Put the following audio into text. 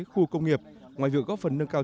khu công nghiệp ngoài việc góp phần nâng cao